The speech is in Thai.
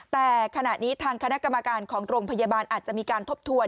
แต่ขณะนี้ทางคณะกรรมการของโรงพยาบาลอาจจะมีการทบทวน